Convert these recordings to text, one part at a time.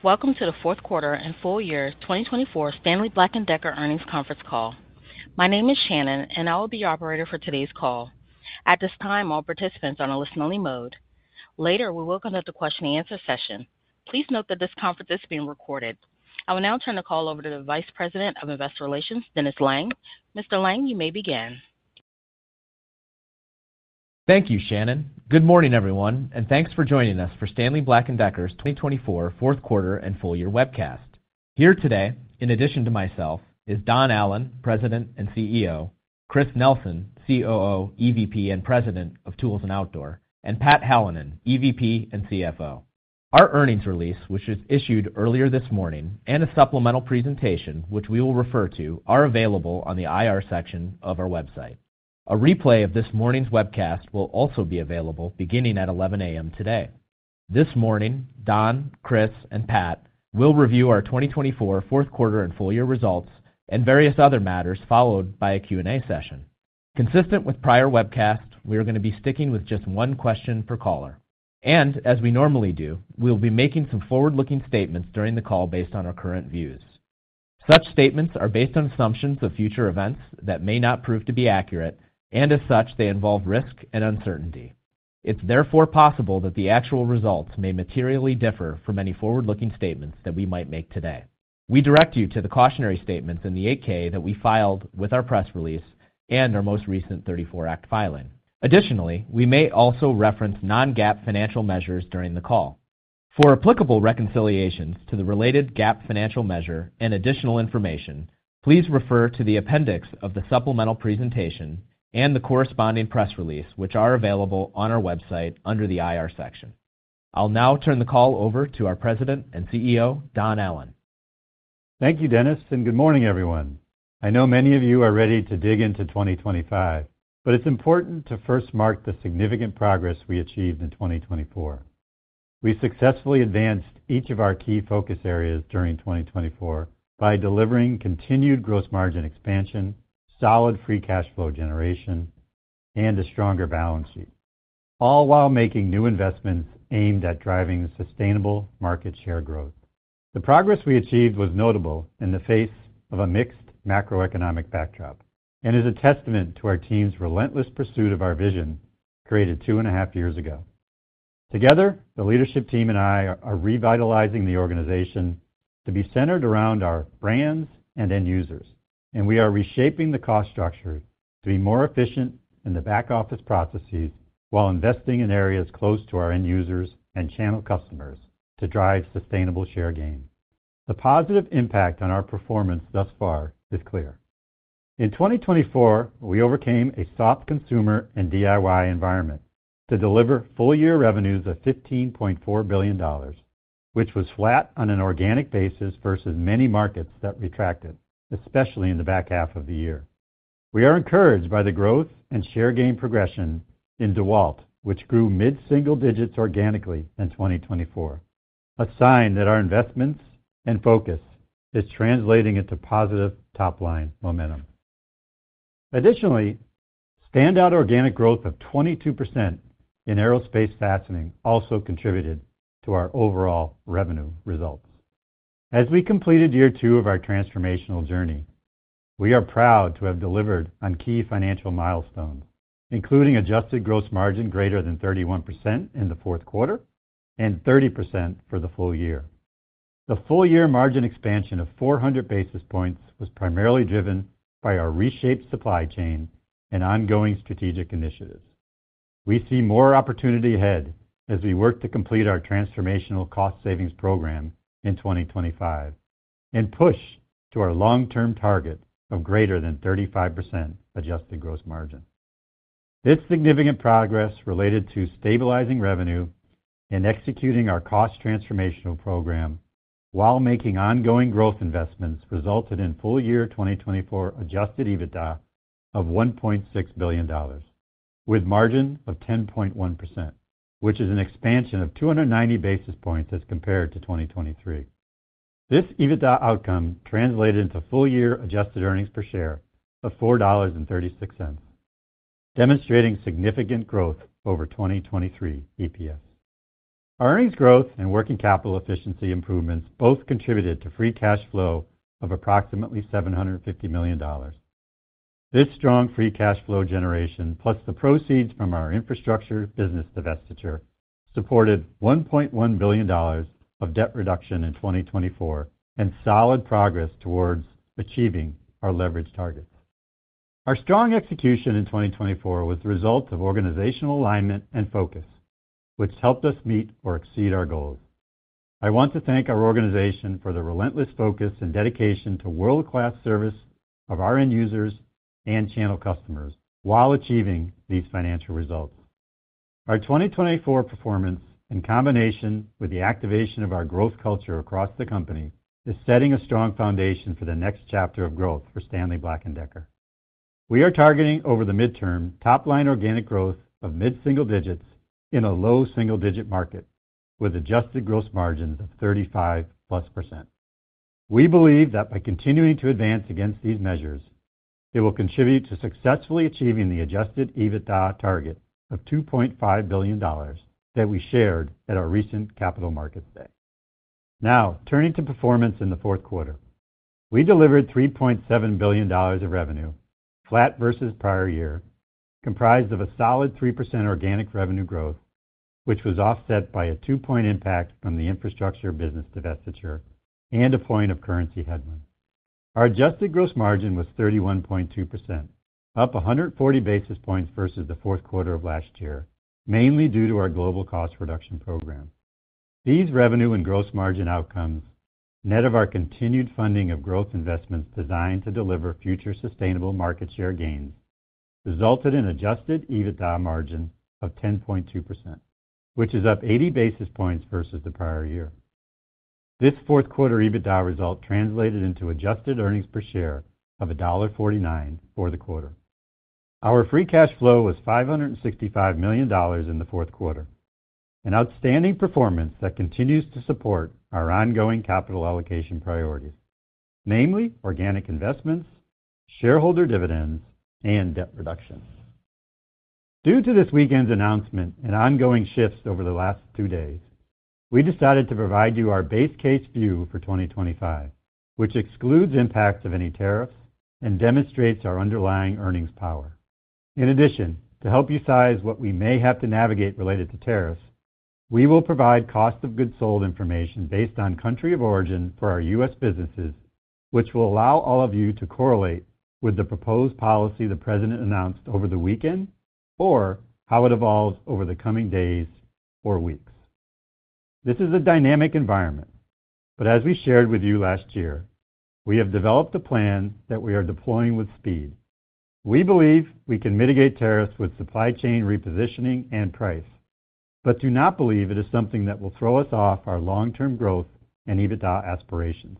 Welcome to the fourth quarter and full year 2024 Stanley Black & Decker Earnings Conference Call. My name is Shannon, and I will be your operator for today's call. At this time, all participants are on a listen-only mode. Later, we will conduct a question-and-answer session. Please note that this conference is being recorded. I will now turn the call over to the Vice President of Investor Relations, Dennis Lange. Mr. Lange, you may begin. Thank you, Shannon. Good morning, everyone, and thanks for joining us for Stanley Black & Decker's 2024 fourth quarter and full year webcast. Here today, in addition to myself, is Don Allan, President and CEO, Chris Nelson, COO, EVP and President of Tools & Outdoor, and Pat Hallinan, EVP and CFO. Our earnings release, which was issued earlier this morning, and a supplemental presentation, which we will refer to, are available on the IR section of our website. A replay of this morning's webcast will also be available beginning at 11:00 A.M. today. This morning, Don, Chris, and Pat will review our 2024 fourth quarter and full year results and various other matters, followed by a Q&A session. Consistent with prior webcasts, we are going to be sticking with just one question per caller. And as we normally do, we will be making some forward-looking statements during the call based on our current views. Such statements are based on assumptions of future events that may not prove to be accurate, and as such, they involve risk and uncertainty. It's therefore possible that the actual results may materially differ from any forward-looking statements that we might make today. We direct you to the cautionary statements in the 8-K that we filed with our press release and our most recent 34 Act filing. Additionally, we may also reference non-GAAP financial measures during the call. For applicable reconciliations to the related GAAP financial measure and additional information, please refer to the appendix of the supplemental presentation and the corresponding press release, which are available on our website under the IR section. I'll now turn the call over to our President and CEO, Don Allan. Thank you, Dennis, and good morning, everyone. I know many of you are ready to dig into 2025, but it's important to first mark the significant progress we achieved in 2024. We successfully advanced each of our key focus areas during 2024 by delivering continued gross margin expansion, solid free cash flow generation, and a stronger balance sheet, all while making new investments aimed at driving sustainable market share growth. The progress we achieved was notable in the face of a mixed macroeconomic backdrop and is a testament to our team's relentless pursuit of our vision created two and a half years ago. Together, the leadership team and I are revitalizing the organization to be centered around our brands and end users, and we are reshaping the cost structure to be more efficient in the back office processes while investing in areas close to our end users and channel customers to drive sustainable share gain. The positive impact on our performance thus far is clear. In 2024, we overcame a soft consumer and DIY environment to deliver full year revenues of $15.4 billion, which was flat on an organic basis versus many markets that retracted, especially in the back half of the year. We are encouraged by the growth and share gain progression in DEWALT, which grew mid-single digits organically in 2024, a sign that our investments and focus are translating into positive top-line momentum. Additionally, standout organic growth of 22% in aerospace fastening also contributed to our overall revenue results. As we completed year two of our transformational journey, we are proud to have delivered on key financial milestones, including adjusted gross margin greater than 31% in the fourth quarter and 30% for the full year. The full year margin expansion of 400 basis points was primarily driven by our reshaped supply chain and ongoing strategic initiatives. We see more opportunity ahead as we work to complete our transformational cost savings program in 2025 and push to our long-term target of greater than 35% adjusted gross margin. This significant progress related to stabilizing revenue and executing our cost transformational program while making ongoing growth investments resulted in full year 2024 Adjusted EBITDA of $1.6 billion, with a margin of 10.1%, which is an expansion of 290 basis points as compared to 2023. This EBITDA outcome translated into full year adjusted earnings per share of $4.36, demonstrating significant growth over 2023 EPS. Our earnings growth and working capital efficiency improvements both contributed to free cash flow of approximately $750 million. This strong free cash flow generation, plus the proceeds from our infrastructure business divestiture, supported $1.1 billion of debt reduction in 2024 and solid progress towards achieving our leverage targets. Our strong execution in 2024 was the result of organizational alignment and focus, which helped us meet or exceed our goals. I want to thank our organization for the relentless focus and dedication to world-class service of our end users and channel customers while achieving these financial results. Our 2024 performance, in combination with the activation of our growth culture across the company, is setting a strong foundation for the next chapter of growth for Stanley Black & Decker. We are targeting over the midterm top-line organic growth of mid-single digits in a low single-digit market with adjusted gross margins of 35% plus. We believe that by continuing to advance against these measures, it will contribute to successfully achieving the Adjusted EBITDA target of $2.5 billion that we shared at our recent Capital Markets Day. Now, turning to performance in the fourth quarter, we delivered $3.7 billion of revenue, flat versus prior year, comprised of a solid 3% organic revenue growth, which was offset by a two-point impact from the infrastructure business divestiture and deployment of currency headwinds. Our adjusted gross margin was 31.2%, up 140 basis points versus the fourth quarter of last year, mainly due to our global cost reduction program. These revenue and gross margin outcomes, net of our continued funding of growth investments designed to deliver future sustainable market share gains, resulted in an adjusted EBITDA margin of 10.2%, which is up 80 basis points versus the prior year. This fourth quarter EBITDA result translated into adjusted earnings per share of $1.49 for the quarter. Our free cash flow was $565 million in the fourth quarter, an outstanding performance that continues to support our ongoing capital allocation priorities, namely organic investments, shareholder dividends, and debt reduction. Due to this weekend's announcement and ongoing shifts over the last two days, we decided to provide you our base case view for 2025, which excludes impacts of any tariffs and demonstrates our underlying earnings power. In addition, to help you size what we may have to navigate related to tariffs, we will provide cost of goods sold information based on country of origin for our U.S. businesses, which will allow all of you to correlate with the proposed policy the President announced over the weekend or how it evolves over the coming days or weeks. This is a dynamic environment, but as we shared with you last year, we have developed a plan that we are deploying with speed. We believe we can mitigate tariffs with supply chain repositioning and price, but do not believe it is something that will throw us off our long-term growth and EBITDA aspirations.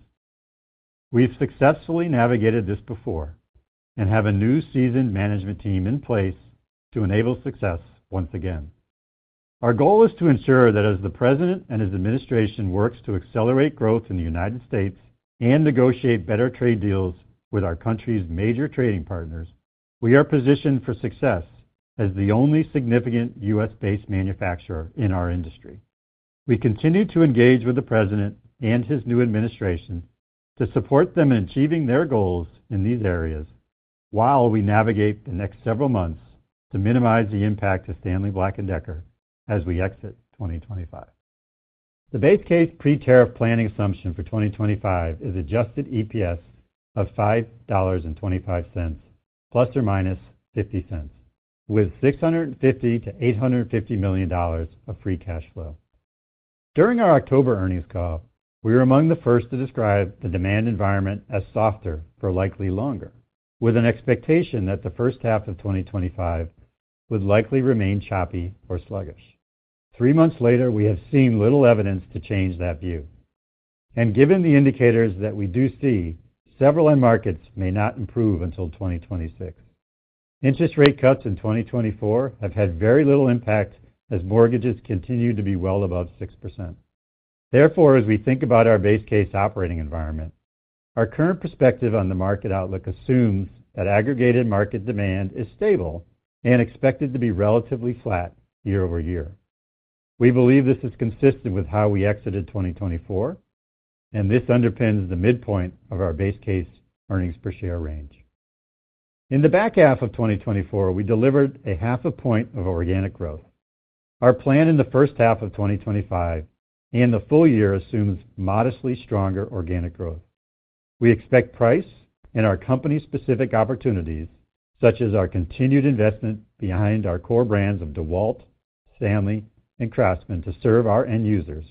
We've successfully navigated this before and have a new seasoned management team in place to enable success once again. Our goal is to ensure that as the President and his administration work to accelerate growth in the United States and negotiate better trade deals with our country's major trading partners, we are positioned for success as the only significant U.S.-based manufacturer in our industry. We continue to engage with the President and his new administration to support them in achieving their goals in these areas while we navigate the next several months to minimize the impact to Stanley Black & Decker as we exit 2025. The base case pre-tariff planning assumption for 2025 is Adjusted EPS of $5.25, plus or minus $0.50, with $650-$850 million of Free Cash Flow. During our October earnings call, we were among the first to describe the demand environment as softer for likely longer, with an expectation that the first half of 2025 would likely remain choppy or sluggish. Three months later, we have seen little evidence to change that view. And given the indicators that we do see, several markets may not improve until 2026. Interest rate cuts in 2024 have had very little impact as mortgages continue to be well above 6%. Therefore, as we think about our base case operating environment, our current perspective on the market outlook assumes that aggregated market demand is stable and expected to be relatively flat year over year. We believe this is consistent with how we exited 2024, and this underpins the midpoint of our base case earnings per share range. In the back half of 2024, we delivered 0.5 point of organic growth. Our plan in the first half of 2025 and the full year assumes modestly stronger organic growth. We expect price and our company-specific opportunities, such as our continued investment behind our core brands of DEWALT, Stanley, and Craftsman, to serve our end users,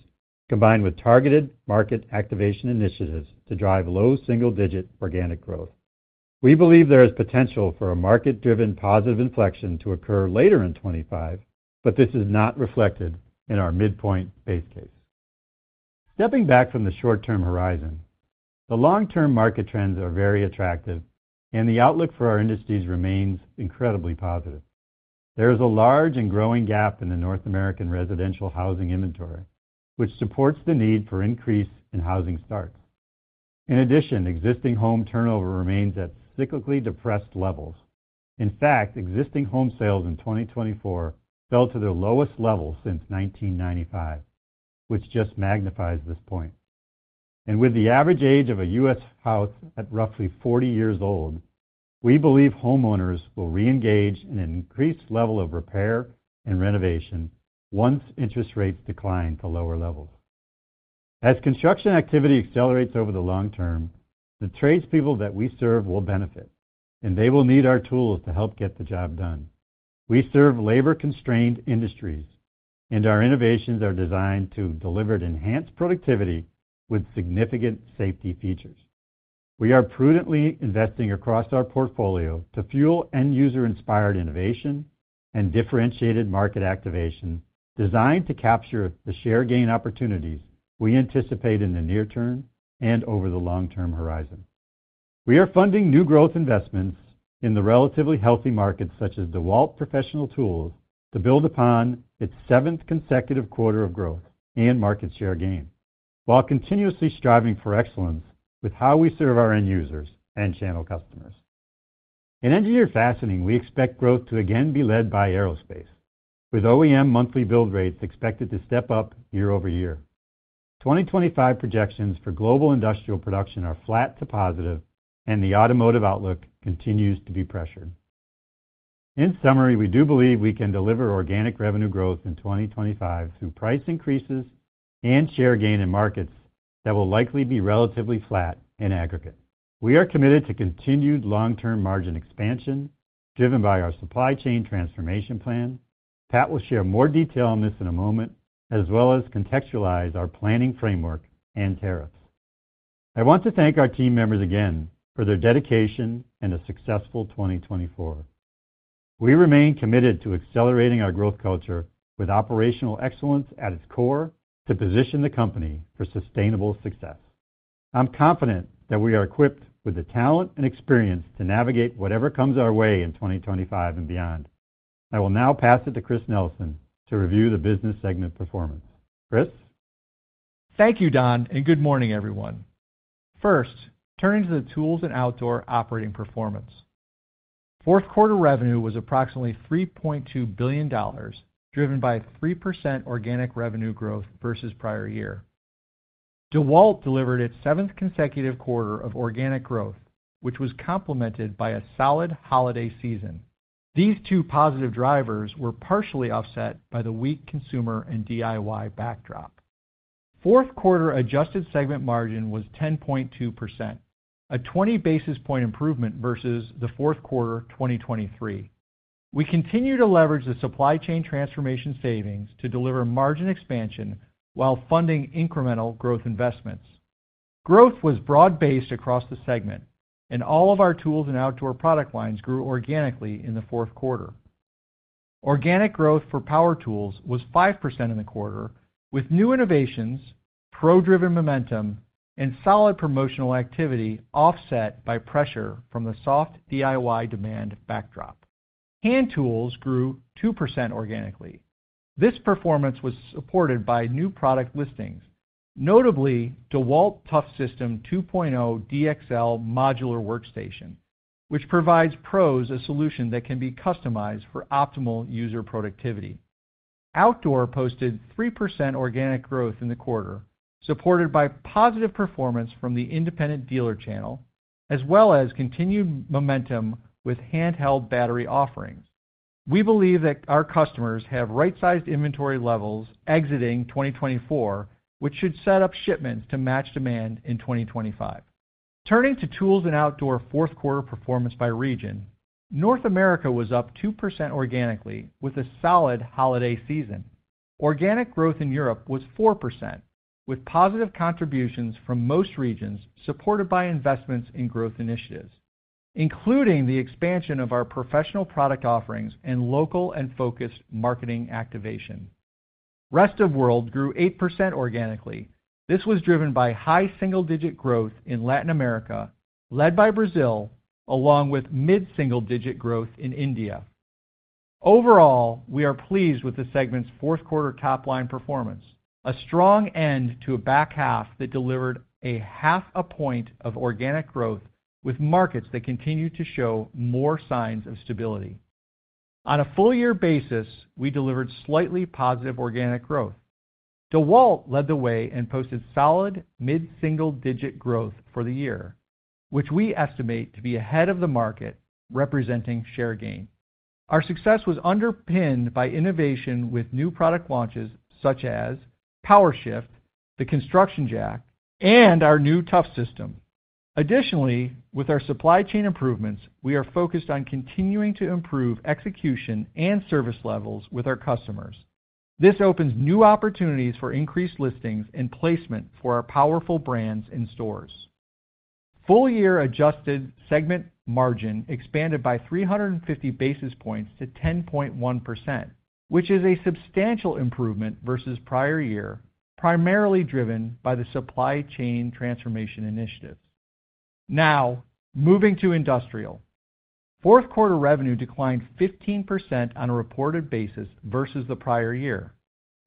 combined with targeted market activation initiatives to drive low single-digit organic growth. We believe there is potential for a market-driven positive inflection to occur later in 2025, but this is not reflected in our midpoint base case. Stepping back from the short-term horizon, the long-term market trends are very attractive, and the outlook for our industries remains incredibly positive. There is a large and growing gap in the North American residential housing inventory, which supports the need for increase in housing starts. In addition, existing home turnover remains at cyclically depressed levels. In fact, existing home sales in 2024 fell to their lowest level since 1995, which just magnifies this point, and with the average age of a U.S. house at roughly 40 years old, we believe homeowners will reengage in an increased level of repair and renovation once interest rates decline to lower levels. As construction activity accelerates over the long term, the tradespeople that we serve will benefit, and they will need our tools to help get the job done. We serve labor-constrained industries, and our innovations are designed to deliver enhanced productivity with significant safety features. We are prudently investing across our portfolio to fuel end user-inspired innovation and differentiated market activation designed to capture the share gain opportunities we anticipate in the near term and over the long-term horizon. We are funding new growth investments in the relatively healthy market, such as DEWALT Professional Tools, to build upon its seventh consecutive quarter of growth and market share gain, while continuously striving for excellence with how we serve our end users and channel customers. In engineered fastening, we expect growth to again be led by aerospace, with OEM monthly build rates expected to step up year over year. 2025 projections for global industrial production are flat to positive, and the automotive outlook continues to be pressured. In summary, we do believe we can deliver organic revenue growth in 2025 through price increases and share gain in markets that will likely be relatively flat in aggregate. We are committed to continued long-term margin expansion driven by our supply chain transformation plan. Pat will share more detail on this in a moment, as well as contextualize our planning framework and tariffs. I want to thank our team members again for their dedication and a successful 2024. We remain committed to accelerating our growth culture with operational excellence at its core to position the company for sustainable success. I'm confident that we are equipped with the talent and experience to navigate whatever comes our way in 2025 and beyond. I will now pass it to Chris Nelson to review the business segment performance. Chris? Thank you, Don, and good morning, everyone. First, turning to the tools and outdoor operating performance. Fourth quarter revenue was approximately $3.2 billion, driven by 3% organic revenue growth versus prior year. DEWALT delivered its seventh consecutive quarter of organic growth, which was complemented by a solid holiday season. These two positive drivers were partially offset by the weak consumer and DIY backdrop. Fourth quarter adjusted segment margin was 10.2%, a 20 basis point improvement versus the fourth quarter 2023. We continue to leverage the supply chain transformation savings to deliver margin expansion while funding incremental growth investments. Growth was broad-based across the segment, and all of our tools and outdoor product lines grew organically in the fourth quarter. Organic growth for power tools was 5% in the quarter, with new innovations, pro-driven momentum, and solid promotional activity offset by pressure from the soft DIY demand backdrop. Hand tools grew 2% organically. This performance was supported by new product listings, notably DEWALT ToughSystem 2.0 DXL modular workstation, which provides pros a solution that can be customized for optimal user productivity. Outdoor posted 3% organic growth in the quarter, supported by positive performance from the independent dealer channel, as well as continued momentum with handheld battery offerings. We believe that our customers have right-sized inventory levels exiting 2024, which should set up shipments to match demand in 2025. Turning to tools and outdoor fourth quarter performance by region, North America was up 2% organically with a solid holiday season. Organic growth in Europe was 4%, with positive contributions from most regions supported by investments in growth initiatives, including the expansion of our professional product offerings and local and focused marketing activation. Rest of world grew 8% organically. This was driven by high single-digit growth in Latin America, led by Brazil, along with mid-single-digit growth in India. Overall, we are pleased with the segment's fourth quarter top-line performance, a strong end to a back half that delivered 0.5 point of organic growth, with markets that continue to show more signs of stability. On a full year basis, we delivered slightly positive organic growth. DEWALT led the way and posted solid mid-single-digit growth for the year, which we estimate to be ahead of the market, representing share gain. Our success was underpinned by innovation with new product launches such as POWERSHIFT, the Construction Jack, and our new ToughSystem. Additionally, with our supply chain improvements, we are focused on continuing to improve execution and service levels with our customers. This opens new opportunities for increased listings and placement for our powerful brands and stores. Full-year adjusted segment margin expanded by 350 basis points to 10.1%, which is a substantial improvement versus prior year, primarily driven by the supply chain transformation initiatives. Now, moving to industrial. Fourth quarter revenue declined 15% on a reported basis versus the prior year,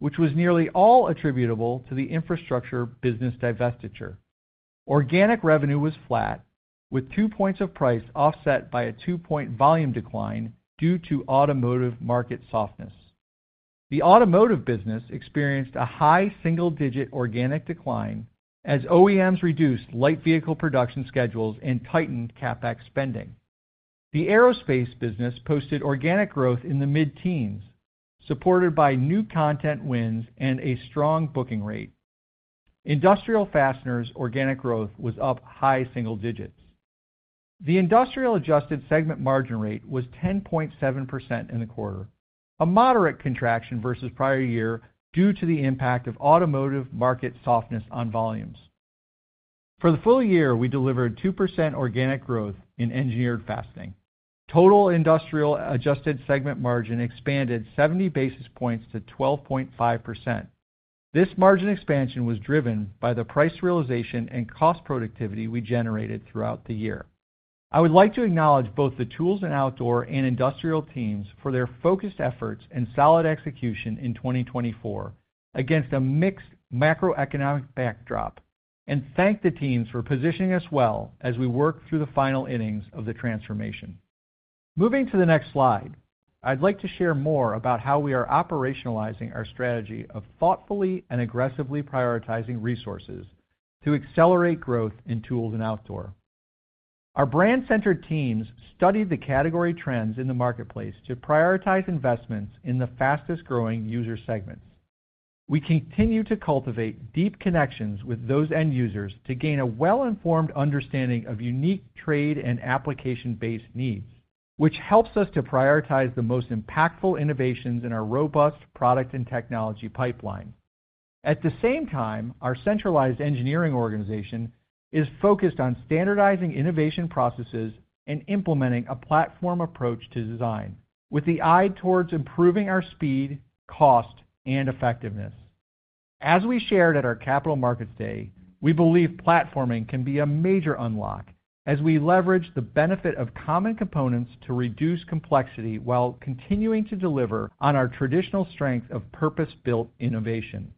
which was nearly all attributable to the infrastructure business divestiture. Organic revenue was flat, with two points of price offset by a two-point volume decline due to automotive market softness. The automotive business experienced a high single-digit organic decline as OEMs reduced light vehicle production schedules and tightened CapEx spending. The aerospace business posted organic growth in the mid-teens, supported by new content wins and a strong booking rate. Industrial fasteners' organic growth was up high single digits. The industrial adjusted segment margin rate was 10.7% in the quarter, a moderate contraction versus prior year due to the impact of automotive market softness on volumes. For the full year, we delivered 2% organic growth in engineered fastening. Total industrial adjusted segment margin expanded 70 basis points to 12.5%. This margin expansion was driven by the price realization and cost productivity we generated throughout the year. I would like to acknowledge both the tools and outdoor and industrial teams for their focused efforts and solid execution in 2024 against a mixed macroeconomic backdrop, and thank the teams for positioning us well as we work through the final innings of the transformation. Moving to the next slide, I'd like to share more about how we are operationalizing our strategy of thoughtfully and aggressively prioritizing resources to accelerate growth in tools and outdoor. Our brand-centered teams studied the category trends in the marketplace to prioritize investments in the fastest-growing user segments. We continue to cultivate deep connections with those end users to gain a well-informed understanding of unique trade and application-based needs, which helps us to prioritize the most impactful innovations in our robust product and technology pipeline. At the same time, our centralized engineering organization is focused on standardizing innovation processes and implementing a platform approach to design, with the eye towards improving our speed, cost, and effectiveness. As we shared at our Capital Markets Day, we believe platforming can be a major unlock as we leverage the benefit of common components to reduce complexity while continuing to deliver on our traditional strength of purpose-built innovation.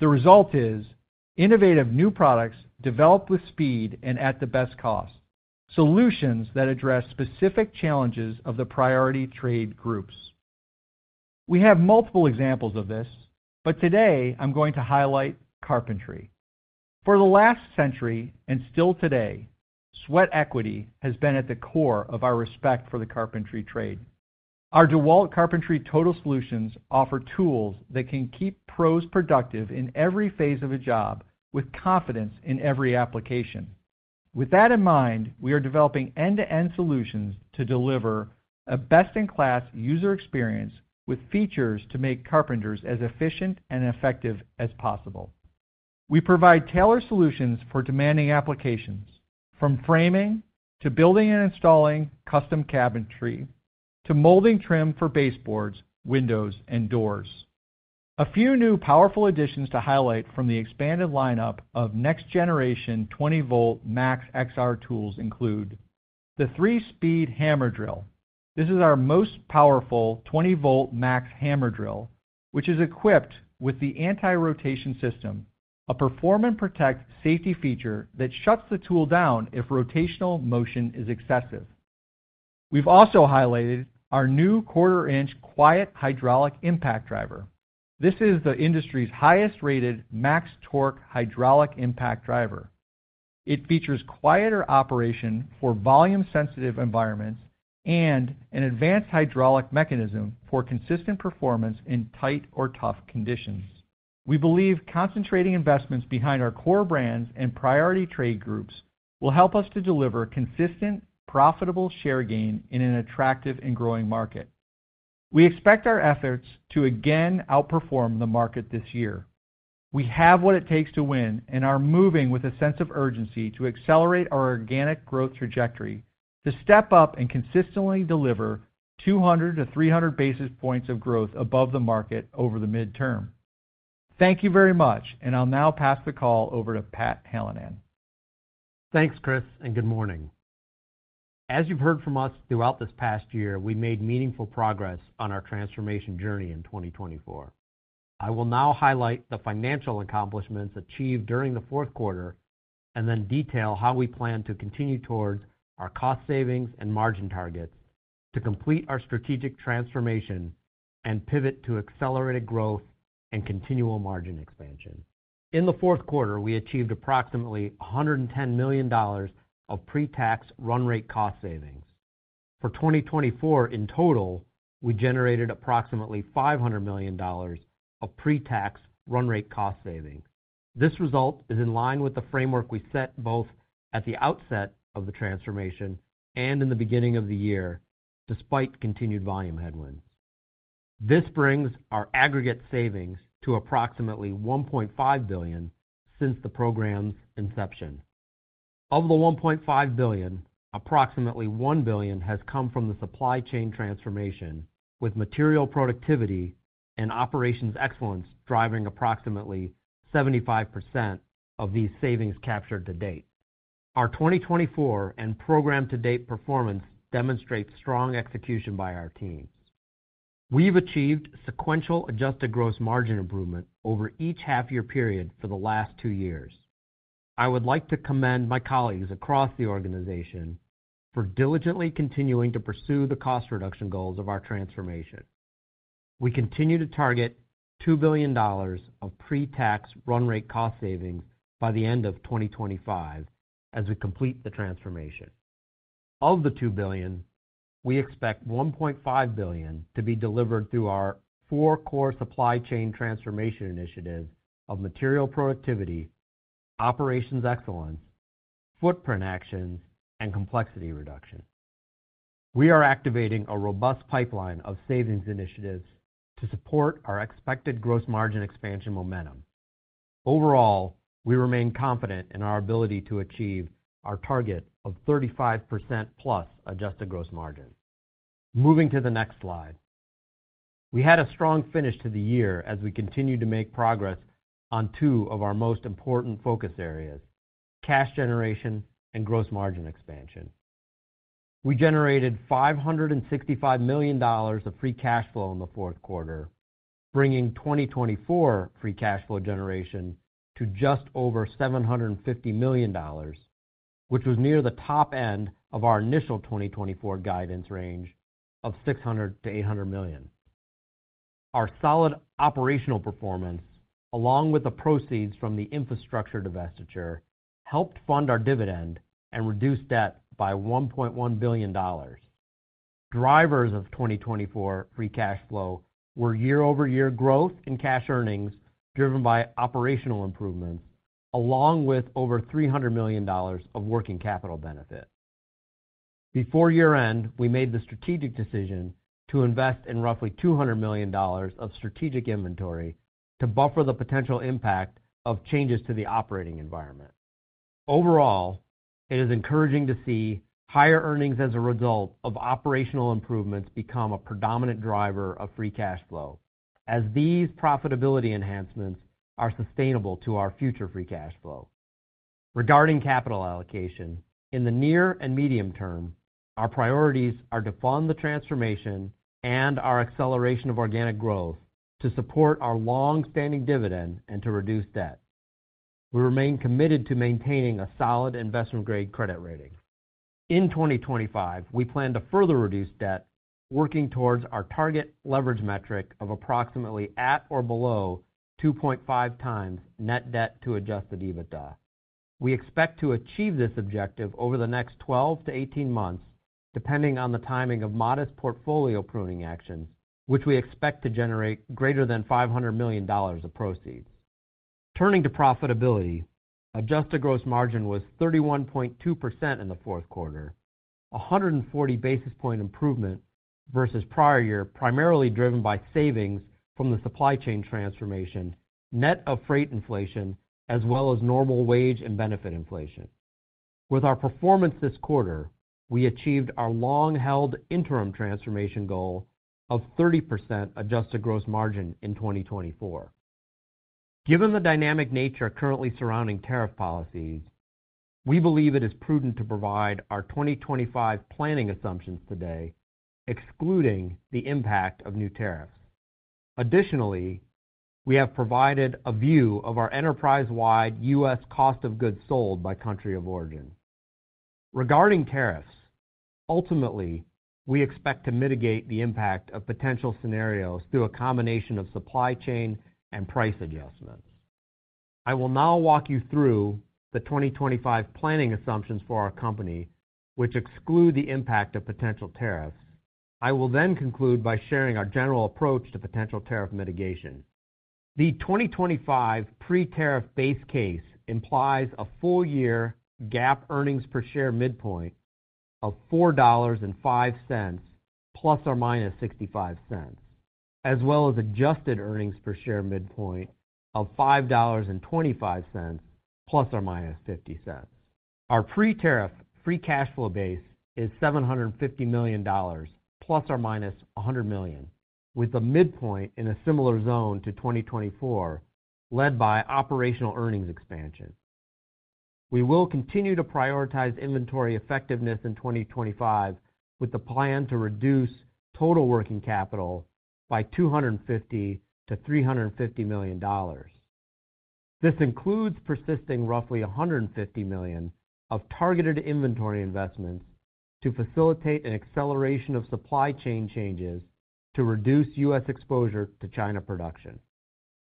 The result is innovative new products developed with speed and at the best cost, solutions that address specific challenges of the priority trade groups. We have multiple examples of this, but today I'm going to highlight carpentry. For the last century and still today, sweat equity has been at the core of our respect for the carpentry trade. Our DEWALT Carpentry Total Solutions offer tools that can keep pros productive in every phase of a job with confidence in every application. With that in mind, we are developing end-to-end solutions to deliver a best-in-class user experience with features to make carpenters as efficient and effective as possible. We provide tailored solutions for demanding applications, from framing to building and installing custom cabinetry to molding trim for baseboards, windows, and doors. A few new powerful additions to highlight from the expanded lineup of next-generation 20-volt Max XR tools include the 3-Speed Hammer Drill. This is our most powerful 20-volt Max Hammer Drill, which is equipped with the anti-rotation system, a Perform & Protect safety feature that shuts the tool down if rotational motion is excessive. We've also highlighted our new quarter-inch quiet hydraulic impact driver. This is the industry's highest-rated Max Torque hydraulic impact driver. It features quieter operation for volume-sensitive environments and an advanced hydraulic mechanism for consistent performance in tight or tough conditions. We believe concentrating investments behind our core brands and priority trade groups will help us to deliver consistent, profitable share gain in an attractive and growing market. We expect our efforts to again outperform the market this year. We have what it takes to win, and are moving with a sense of urgency to accelerate our organic growth trajectory to step up and consistently deliver 200 to 300 basis points of growth above the market over the midterm. Thank you very much, and I'll now pass the call over to Pat Hallinan. Thanks, Chris, and good morning. As you've heard from us throughout this past year, we made meaningful progress on our transformation journey in 2024. I will now highlight the financial accomplishments achieved during the fourth quarter and then detail how we plan to continue towards our cost savings and margin targets to complete our strategic transformation and pivot to accelerated growth and continual margin expansion. In the fourth quarter, we achieved approximately $110 million of pre-tax run rate cost savings. For 2024, in total, we generated approximately $500 million of pre-tax run rate cost savings. This result is in line with the framework we set both at the outset of the transformation and in the beginning of the year, despite continued volume headwinds. This brings our aggregate savings to approximately $1.5 billion since the program's inception. Of the $1.5 billion, approximately $1 billion has come from the supply chain transformation, with material productivity and operations excellence driving approximately 75% of these savings captured to date. Our 2024 and program-to-date performance demonstrates strong execution by our teams. We've achieved sequential adjusted gross margin improvement over each half-year period for the last two years. I would like to commend my colleagues across the organization for diligently continuing to pursue the cost reduction goals of our transformation. We continue to target $2 billion of pre-tax run rate cost savings by the end of 2025 as we complete the transformation. Of the $2 billion, we expect $1.5 billion to be delivered through our four core supply chain transformation initiatives of material productivity, operations excellence, footprint actions, and complexity reduction. We are activating a robust pipeline of savings initiatives to support our expected gross margin expansion momentum. Overall, we remain confident in our ability to achieve our target of 35% plus adjusted gross margin. Moving to the next slide, we had a strong finish to the year as we continue to make progress on two of our most important focus areas: cash generation and gross margin expansion. We generated $565 million of free cash flow in the fourth quarter, bringing 2024 free cash flow generation to just over $750 million, which was near the top end of our initial 2024 guidance range of $600-$800 million. Our solid operational performance, along with the proceeds from the infrastructure divestiture, helped fund our dividend and reduce debt by $1.1 billion. Drivers of 2024 free cash flow were year-over-year growth in cash earnings driven by operational improvements, along with over $300 million of working capital benefit. Before year-end, we made the strategic decision to invest in roughly $200 million of strategic inventory to buffer the potential impact of changes to the operating environment. Overall, it is encouraging to see higher earnings as a result of operational improvements become a predominant driver of free cash flow, as these profitability enhancements are sustainable to our future free cash flow. Regarding capital allocation, in the near and medium term, our priorities are to fund the transformation and our acceleration of organic growth to support our long-standing dividend and to reduce debt. We remain committed to maintaining a solid investment-grade credit rating. In 2025, we plan to further reduce debt, working towards our target leverage metric of approximately at or below 2.5 times net debt to Adjusted EBITDA. We expect to achieve this objective over the next 12-18 months, depending on the timing of modest portfolio pruning actions, which we expect to generate greater than $500 million of proceeds. Turning to profitability, adjusted gross margin was 31.2% in the fourth quarter, a 140 basis points improvement versus prior year, primarily driven by savings from the supply chain transformation, net of freight inflation, as well as normal wage and benefit inflation. With our performance this quarter, we achieved our long-held interim transformation goal of 30% adjusted gross margin in 2024. Given the dynamic nature currently surrounding tariff policies, we believe it is prudent to provide our 2025 planning assumptions today, excluding the impact of new tariffs. Additionally, we have provided a view of our enterprise-wide U.S. cost of goods sold by country of origin. Regarding tariffs, ultimately, we expect to mitigate the impact of potential scenarios through a combination of supply chain and price adjustments. I will now walk you through the 2025 planning assumptions for our company, which exclude the impact of potential tariffs. I will then conclude by sharing our general approach to potential tariff mitigation. The 2025 pre-tariff base case implies a full-year GAAP earnings per share midpoint of $4.05 plus or minus $0.65, as well as adjusted earnings per share midpoint of $5.25 plus or minus $0.50. Our pre-tariff free cash flow base is $750 million plus or minus $100 million, with the midpoint in a similar zone to 2024, led by operational earnings expansion. We will continue to prioritize inventory effectiveness in 2025, with the plan to reduce total working capital by $250-$350 million. This includes persisting roughly $150 million of targeted inventory investments to facilitate an acceleration of supply chain changes to reduce U.S. exposure to China production.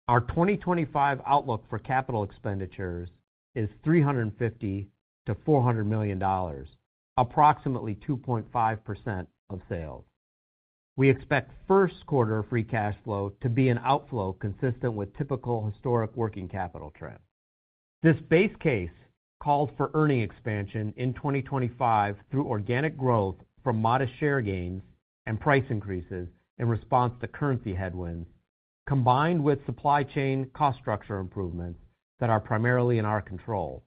Our 2025 outlook for capital expenditures is $350-$400 million, approximately 2.5% of sales. We expect first-quarter free cash flow to be an outflow consistent with typical historic working capital trends. This base case calls for earning expansion in 2025 through organic growth from modest share gains and price increases in response to currency headwinds, combined with supply chain cost structure improvements that are primarily in our control.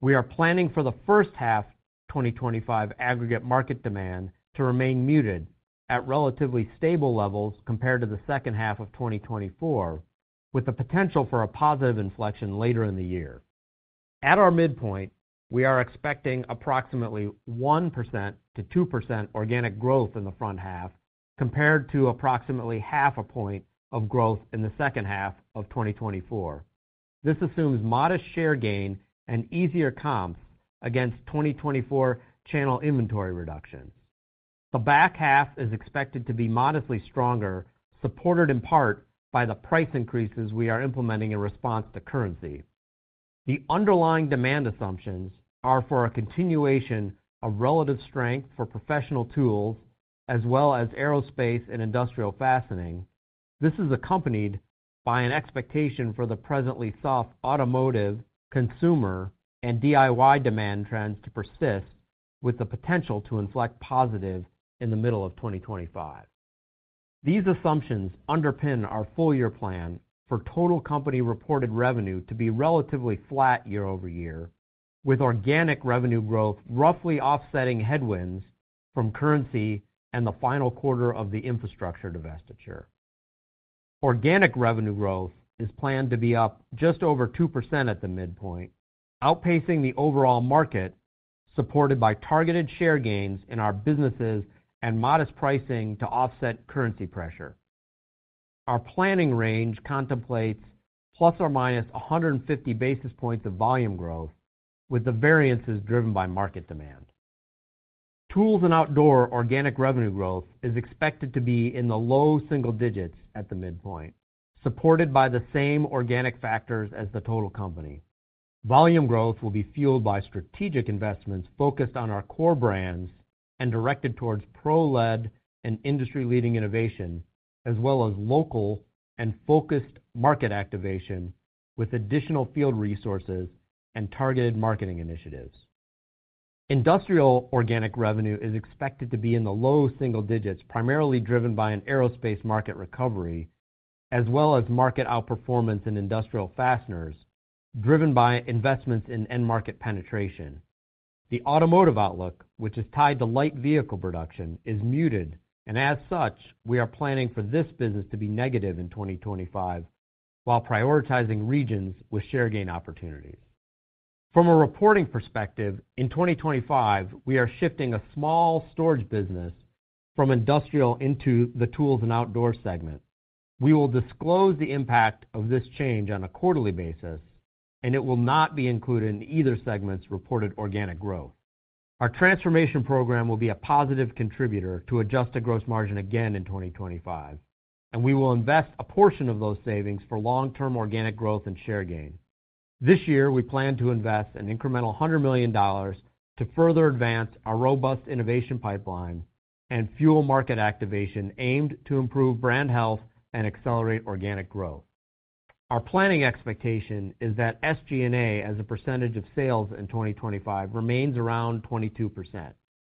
We are planning for the first half of 2025 aggregate market demand to remain muted at relatively stable levels compared to the second half of 2024, with the potential for a positive inflection later in the year. At our midpoint, we are expecting approximately 1%-2% organic growth in the front half, compared to approximately half a point of growth in the second half of 2024. This assumes modest share gain and easier comps against 2024 channel inventory reductions. The back half is expected to be modestly stronger, supported in part by the price increases we are implementing in response to currency. The underlying demand assumptions are for a continuation of relative strength for professional tools, as well as aerospace and industrial fastening. This is accompanied by an expectation for the presently soft automotive, consumer, and DIY demand trends to persist, with the potential to inflect positive in the middle of 2025. These assumptions underpin our full-year plan for total company reported revenue to be relatively flat year-over-year, with organic revenue growth roughly offsetting headwinds from currency and the final quarter of the infrastructure divestiture. Organic revenue growth is planned to be up just over 2% at the midpoint, outpacing the overall market, supported by targeted share gains in our businesses and modest pricing to offset currency pressure. Our planning range contemplates plus or minus 150 basis points of volume growth, with the variances driven by market demand. Tools and Outdoor organic revenue growth is expected to be in the low single digits at the midpoint, supported by the same organic factors as the total company. Volume growth will be fueled by strategic investments focused on our core brands and directed towards pro-led and industry-leading innovation, as well as local and focused market activation with additional field resources and targeted marketing initiatives. Industrial organic revenue is expected to be in the low single digits, primarily driven by an aerospace market recovery, as well as market outperformance in industrial fasteners, driven by investments in end-market penetration. The automotive outlook, which is tied to light vehicle production, is muted, and as such, we are planning for this business to be negative in 2025 while prioritizing regions with share gain opportunities. From a reporting perspective, in 2025, we are shifting a small storage business from Industrial into the Tools & Outdoor segment. We will disclose the impact of this change on a quarterly basis, and it will not be included in either segment's reported organic growth. Our transformation program will be a positive contributor to adjusted gross margin again in 2025, and we will invest a portion of those savings for long-term organic growth and share gain. This year, we plan to invest an incremental $100 million to further advance our robust innovation pipeline and fuel market activation aimed to improve brand health and accelerate organic growth. Our planning expectation is that SG&A as a percentage of sales in 2025 remains around 22%.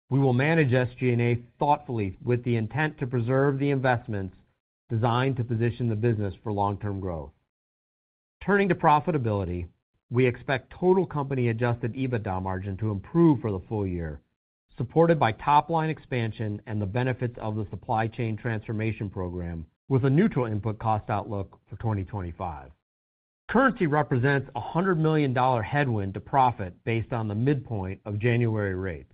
We will manage SG&A thoughtfully with the intent to preserve the investments designed to position the business for long-term growth. Turning to profitability, we expect total company Adjusted EBITDA margin to improve for the full year, supported by top-line expansion and the benefits of the Supply Chain Transformation program, with a neutral input cost outlook for 2025. Currency represents a $100 million headwind to profit based on the midpoint of January rates.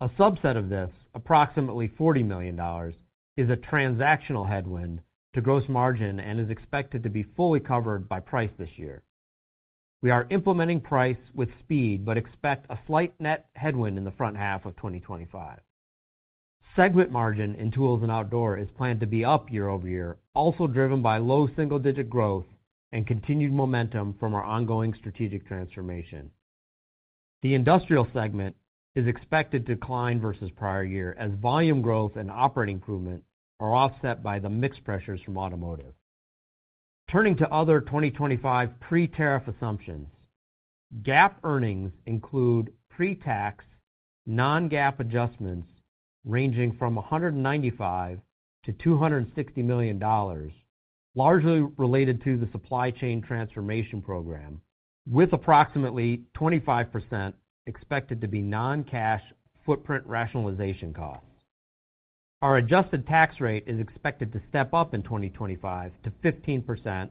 A subset of this, approximately $40 million, is a transactional headwind to gross margin and is expected to be fully covered by price this year. We are implementing price with speed but expect a slight net headwind in the front half of 2025. Segment margin in Tools & Outdoor is planned to be up year-over-year, also driven by low single-digit growth and continued momentum from our ongoing strategic transformation. The Industrial segment is expected to decline versus prior year as volume growth and operating improvement are offset by the mixed pressures from automotive. Turning to other 2025 pre-tariff assumptions, GAAP earnings include pre-tax non-GAAP adjustments ranging from $195-$260 million, largely related to the supply chain transformation program, with approximately 25% expected to be non-cash footprint rationalization costs. Our adjusted tax rate is expected to step up in 2025 to 15%,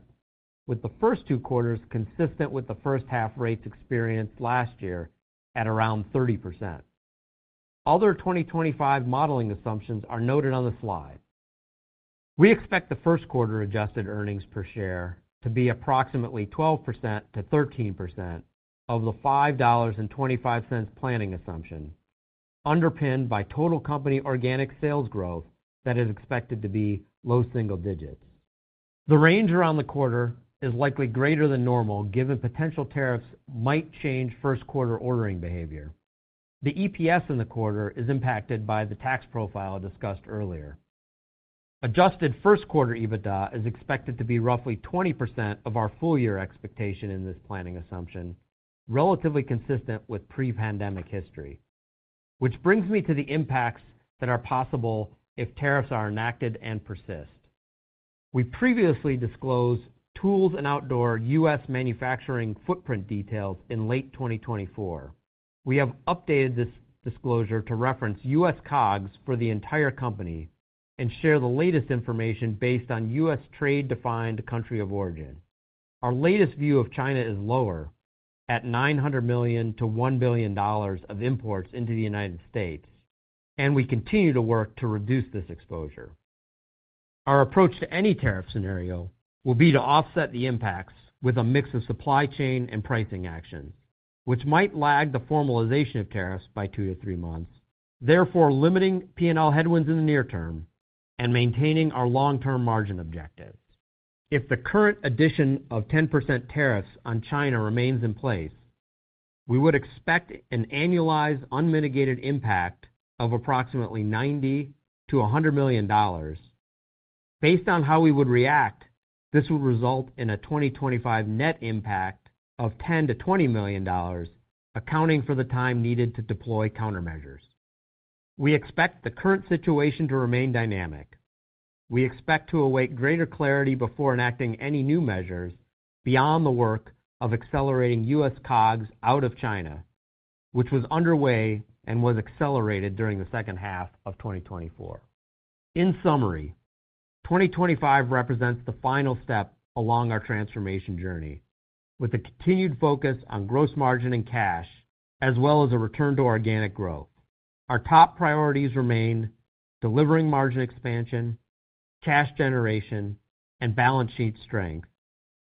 with the first two quarters consistent with the first-half rates experienced last year at around 30%. Other 2025 modeling assumptions are noted on the slide. We expect the first quarter adjusted earnings per share to be approximately 12%-13% of the $5.25 planning assumption, underpinned by total company organic sales growth that is expected to be low single digits. The range around the quarter is likely greater than normal given potential tariffs might change first-quarter ordering behavior. The EPS in the quarter is impacted by the tax profile discussed earlier. Adjusted first-quarter EBITDA is expected to be roughly 20% of our full-year expectation in this planning assumption, relatively consistent with pre-pandemic history. Which brings me to the impacts that are possible if tariffs are enacted and persist. We previously disclosed Tools & Outdoor U.S. manufacturing footprint details in late 2024. We have updated this disclosure to reference U.S. COGS for the entire company and share the latest information based on U.S. trade-defined country of origin. Our latest view of China is lower, at $900 million-$1 billion of imports into the United States, and we continue to work to reduce this exposure. Our approach to any tariff scenario will be to offset the impacts with a mix of supply chain and pricing actions, which might lag the formalization of tariffs by two to three months, therefore limiting P&L headwinds in the near term and maintaining our long-term margin objectives. If the current addition of 10% tariffs on China remains in place, we would expect an annualized unmitigated impact of approximately $90-$100 million. Based on how we would react, this would result in a 2025 net impact of $10-$20 million, accounting for the time needed to deploy countermeasures. We expect the current situation to remain dynamic. We expect to await greater clarity before enacting any new measures beyond the work of accelerating U.S. COGS out of China, which was underway and was accelerated during the second half of 2024. In summary, 2025 represents the final step along our transformation journey, with a continued focus on gross margin and cash, as well as a return to organic growth. Our top priorities remain delivering margin expansion, cash generation, and balance sheet strength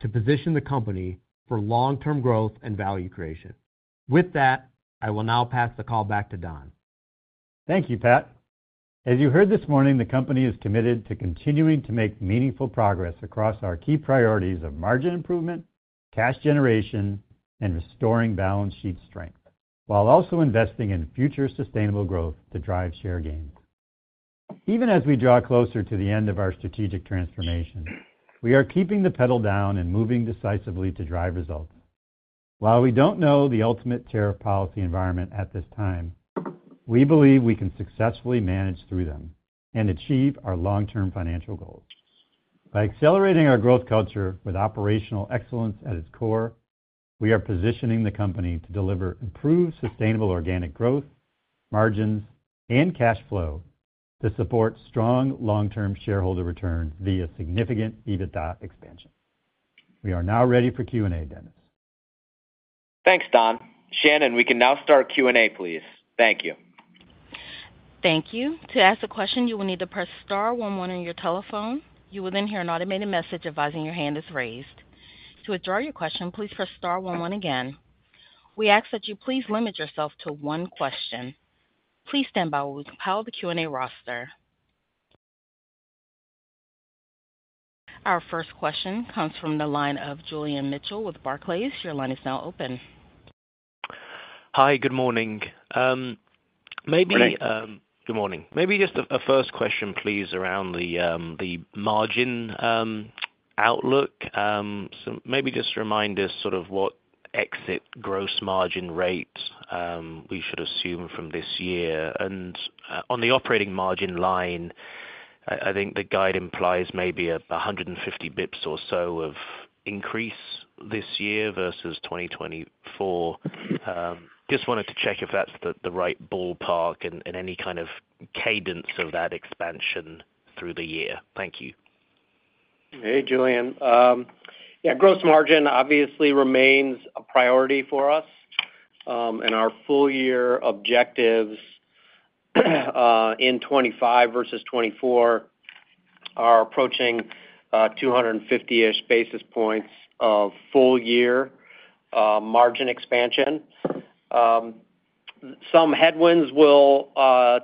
to position the company for long-term growth and value creation. With that, I will now pass the call back to Don. Thank you, Pat. As you heard this morning, the company is committed to continuing to make meaningful progress across our key priorities of margin improvement, cash generation, and restoring balance sheet strength, while also investing in future sustainable growth to drive share gains. Even as we draw closer to the end of our strategic transformation, we are keeping the pedal down and moving decisively to drive results. While we don't know the ultimate tariff policy environment at this time, we believe we can successfully manage through them and achieve our long-term financial goals. By accelerating our growth culture with operational excellence at its core, we are positioning the company to deliver improved sustainable organic growth, margins, and cash flow to support strong long-term shareholder returns via significant EBITDA expansion. We are now ready for Q&A, Dennis. Thanks, Don. Shannon, we can now start Q&A, please. Thank you. Thank you. To ask a question, you will need to press star 11 on your telephone. You will then hear an automated message advising your hand is raised. To withdraw your question, please press star 11 again. We ask that you please limit yourself to one question. Please stand by while we compile the Q&A roster. Our first question comes from the line of Julian Mitchell with Barclays. Your line is now open. Hi, good morning. Good morning. Just a first question, please, around the margin outlook. Just remind us sort of what exit gross margin rates we should assume from this year. And on the operating margin line, I think the guide implies maybe a 150 basis points or so of increase this year versus 2024. Just wanted to check if that's the right ballpark and any kind of cadence of that expansion through the year? Thank you. Hey, Julian. Yeah, gross margin obviously remains a priority for us, and our full-year objectives in 2025 versus 2024 are approaching 250-ish basis points of full-year margin expansion. Some headwinds will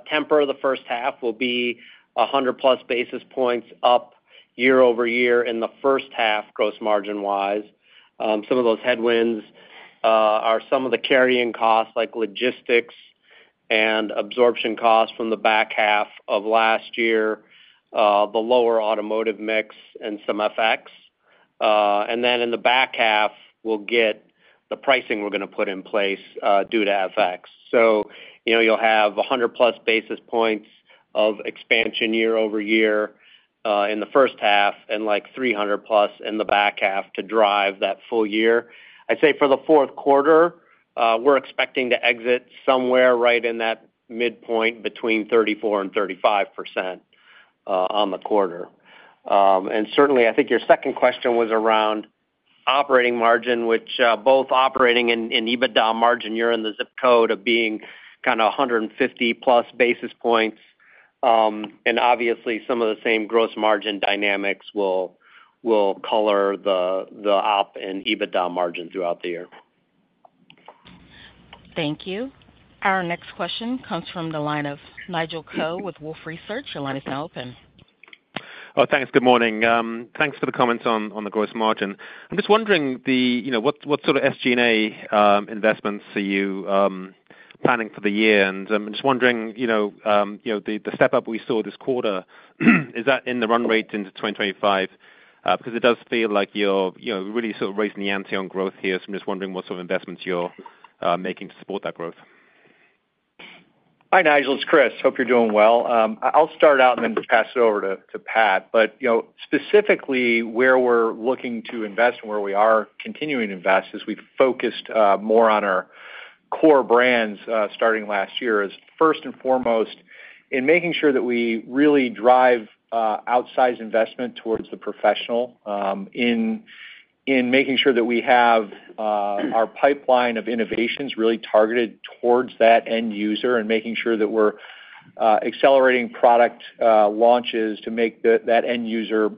temper the first half. We'll be 100-plus basis points up year-over-year in the first half gross margin-wise. Some of those headwinds are some of the carrying costs like logistics and absorption costs from the back half of last year, the lower automotive mix, and some FX. And then in the back half, we'll get the pricing we're going to put in place due to FX, so you'll have 100-plus basis points of expansion year-over-year in the first half and like 300-plus in the back half to drive that full year. I'd say for the fourth quarter, we're expecting to exit somewhere right in that midpoint between 34% and 35% on the quarter. And certainly, I think your second question was around operating margin, which both operating and EBITDA margin, you're in the zip code of being kind of 150-plus basis points. And obviously, some of the same gross margin dynamics will color the op and EBITDA margin throughout the year. Thank you. Our next question comes from the line of Nigel Coe with Wolfe Research. Your line is now open. Oh, thanks. Good morning. Thanks for the comments on the gross margin. I'm just wondering what sort of SG&A investments are you planning for the year? And I'm just wondering the step-up we saw this quarter, is that in the run rate into 2025? Because it does feel like you're really sort of raising the ante on growth here. So I'm just wondering what sort of investments you're making to support that growth. Hi, Nigel. It's Chris. Hope you're doing well. I'll start out and then pass it over to Pat. But specifically, where we're looking to invest and where we are continuing to invest as we've focused more on our core brands starting last year is first and foremost in making sure that we really drive outsized investment towards the professional, in making sure that we have our pipeline of innovations really targeted towards that end user and making sure that we're accelerating product launches to make that end user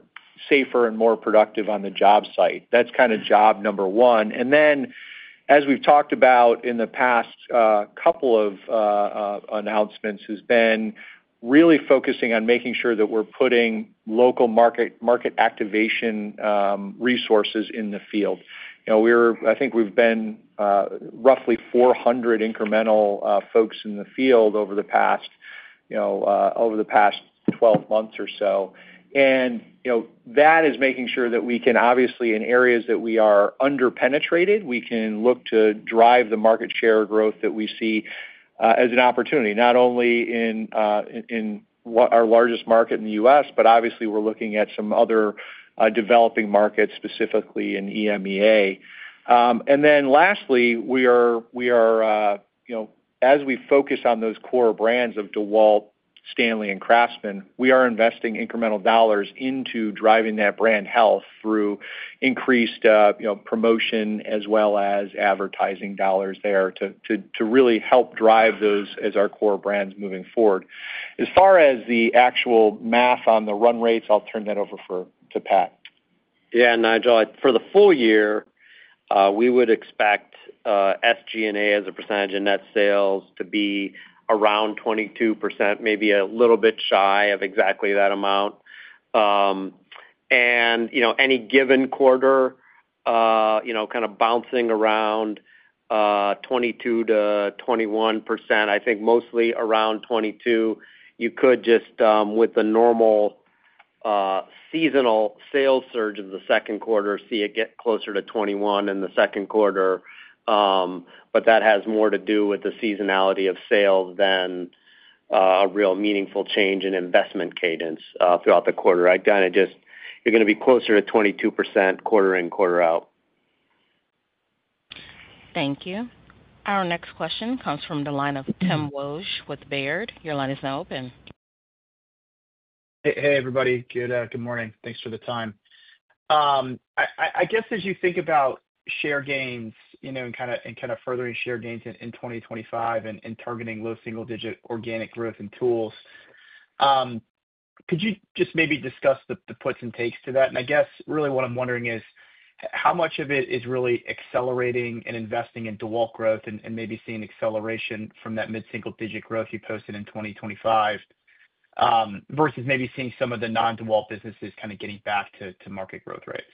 safer and more productive on the job site. That's kind of job number one. And then, as we've talked about in the past couple of announcements, has been really focusing on making sure that we're putting local market activation resources in the field. I think we've been roughly 400 incremental folks in the field over the past 12 months or so. And that is making sure that we can obviously, in areas that we are underpenetrated, we can look to drive the market share growth that we see as an opportunity, not only in our largest market in the U.S., but obviously, we're looking at some other developing markets, specifically in EMEA. And then lastly, we are, as we focus on those core brands of DEWALT, Stanley, and Craftsman, we are investing incremental dollars into driving that brand health through increased promotion as well as advertising dollars there to really help drive those as our core brands moving forward. As far as the actual math on the run rates, I'll turn that over to Pat. Yeah, Nigel. For the full year, we would expect SG&A as a percentage of net sales to be around 22%, maybe a little bit shy of exactly that amount, and any given quarter, kind of bouncing around 22%-21%, I think mostly around 22%. You could just, with the normal seasonal sales surge in the second quarter, see it get closer to 21% in the second quarter. But that has more to do with the seasonality of sales than a real meaningful change in investment cadence throughout the quarter, I kind of just, you're going to be closer to 22% quarter in, quarter out. Thank you. Our next question comes from the line of Tim Wojs with Baird. Your line is now open. Hey, everybody. Good morning. Thanks for the time. I guess as you think about share gains and kind of furthering share gains in 2025 and targeting low single-digit organic growth in tools, could you just maybe discuss the puts and takes to that? And I guess really what I'm wondering is how much of it is really accelerating and investing in DEWALT growth and maybe seeing acceleration from that mid-single-digit growth you posted in 2025 versus maybe seeing some of the non-DEWALT businesses kind of getting back to market growth rates?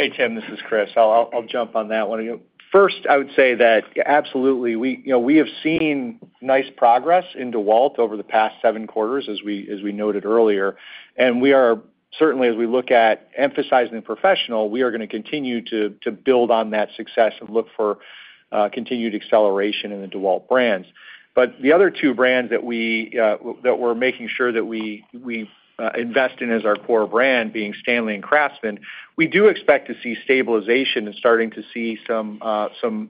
Hey, Tim, this is Chris. I'll jump on that one. First, I would say that absolutely, we have seen nice progress in DEWALT over the past seven quarters, as we noted earlier. And we are certainly, as we look at emphasizing the professional, we are going to continue to build on that success and look for continued acceleration in the DEWALT brands. But the other two brands that we're making sure that we invest in as our core brand, being Stanley and Craftsman, we do expect to see stabilization and starting to see some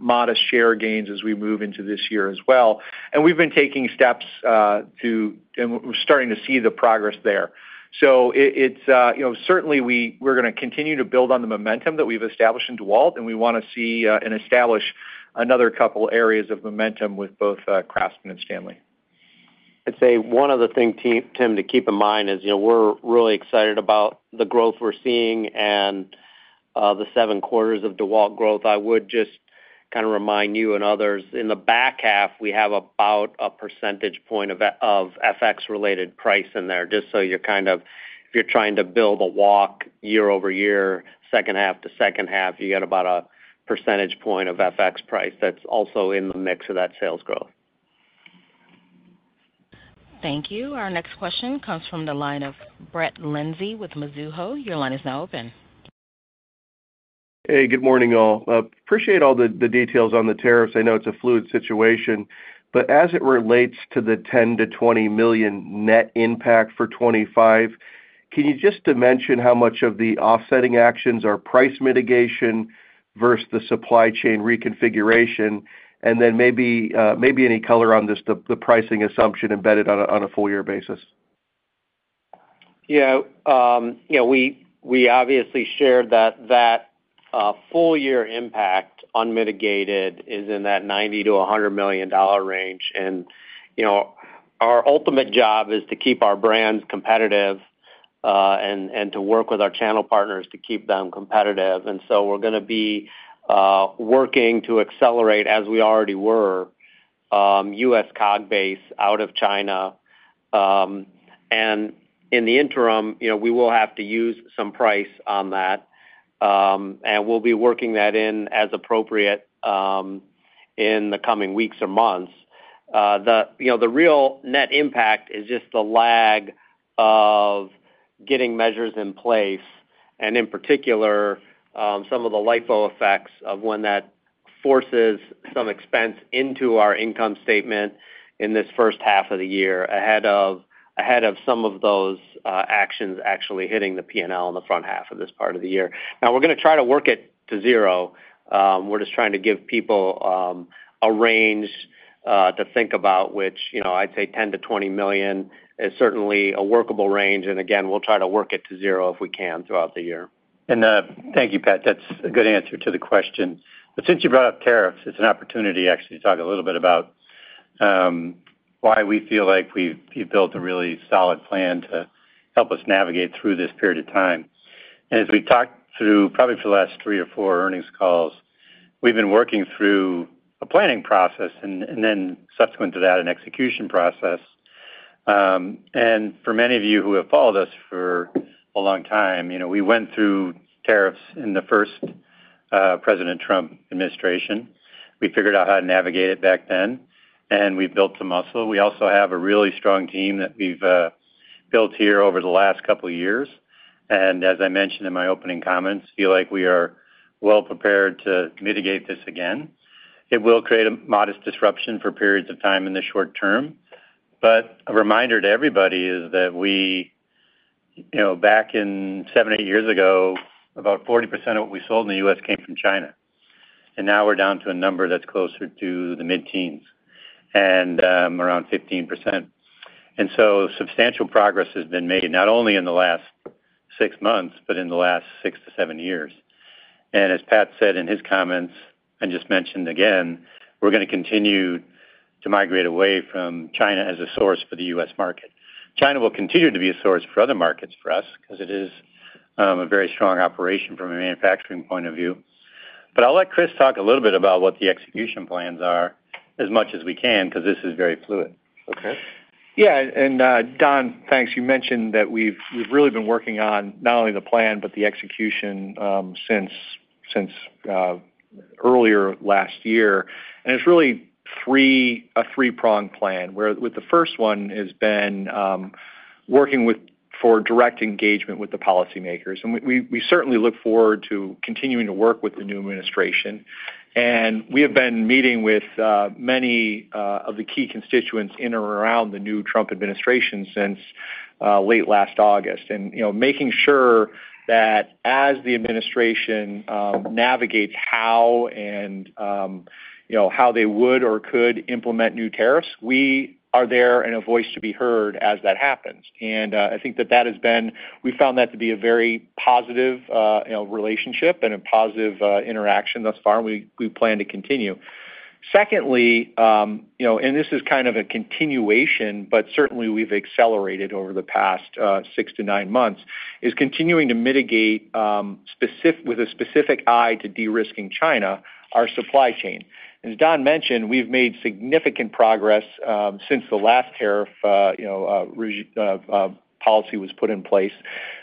modest share gains as we move into this year as well. And we've been taking steps to and we're starting to see the progress there. So certainly, we're going to continue to build on the momentum that we've established in DEWALT, and we want to see and establish another couple of areas of momentum with both Craftsman and Stanley. I'd say one other thing, Tim, to keep in mind is we're really excited about the growth we're seeing and the seven quarters of DEWALT growth. I would just kind of remind you and others, in the back half, we have about a percentage point of FX-related price in there. Just so you're kind of, if you're trying to build a walk year-over-year, second half to second half, you get about a percentage point of FX price that's also in the mix of that sales growth. Thank you. Our next question comes from the line of Brett Linzey with Mizuho. Your line is now open. Hey, good morning, all. Appreciate all the details on the tariffs. I know it's a fluid situation. But as it relates to the $10-$20 million net impact for 2025, can you just dimension how much of the offsetting actions are price mitigation versus the supply chain reconfiguration? And then maybe any color on the pricing assumption embedded on a full-year basis. Yeah. We obviously share that full-year impact unmitigated is in that $90-$100 million range. And our ultimate job is to keep our brands competitive and to work with our channel partners to keep them competitive. And so we're going to be working to accelerate, as we already were, U.S. COGS base out of China. And in the interim, we will have to use some price on that. And we'll be working that in as appropriate in the coming weeks or months. The real net impact is just the lag of getting measures in place and, in particular, some of the LIFO effects of when that forces some expense into our income statement in this first half of the year ahead of some of those actions actually hitting the P&L in the front half of this part of the year. Now, we're going to try to work it to zero. We're just trying to give people a range to think about, which I'd say $10 million-$20 million is certainly a workable range. And again, we'll try to work it to zero if we can throughout the year. And thank you, Pat. That's a good answer to the question. But since you brought up tariffs, it's an opportunity actually to talk a little bit about why we feel like we've built a really solid plan to help us navigate through this period of time. And as we've talked through probably for the last three or four earnings calls, we've been working through a planning process and then subsequent to that, an execution process. And for many of you who have followed us for a long time, we went through tariffs in the first President Trump administration. We figured out how to navigate it back then, and we've built some muscle. We also have a really strong team that we've built here over the last couple of years. As I mentioned in my opening comments, I feel like we are well prepared to mitigate this again. It will create a modest disruption for periods of time in the short term. A reminder to everybody is that back in seven, eight years ago, about 40% of what we sold in the U.S. came from China. Now we're down to a number that's closer to the mid-teens and around 15%. Substantial progress has been made not only in the last six months, but in the last six to seven years. As Pat said in his comments, and just mentioned again, we're going to continue to migrate away from China as a source for the U.S. market. China will continue to be a source for other markets for us because it is a very strong operation from a manufacturing point of view. But I'll let Chris talk a little bit about what the execution plans are as much as we can because this is very fluid. Okay. Yeah. And Don, thanks. You mentioned that we've really been working on not only the plan, but the execution since earlier last year. And it's really a three-pronged plan, where with the first one has been working for direct engagement with the policymakers. And we certainly look forward to continuing to work with the new administration. And we have been meeting with many of the key constituents in or around the new Trump administration since late last August and making sure that as the administration navigates how they would or could implement new tariffs, we are there and a voice to be heard as that happens. I think that has been. We found that to be a very positive relationship and a positive interaction thus far, and we plan to continue. Secondly, and this is kind of a continuation, but certainly we've accelerated over the past six to nine months, is continuing to mitigate with a specific eye to de-risking China, our supply chain. As Don mentioned, we've made significant progress since the last tariff policy was put in place.